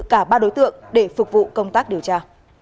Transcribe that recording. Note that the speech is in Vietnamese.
cả ba đối tượng để phục vụ công tác điều tra